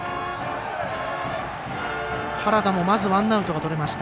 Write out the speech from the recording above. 原田もまずワンアウトを取りました。